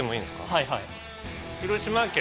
はいはい。